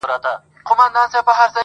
زما دردونه د دردونو ښوونځی غواړي.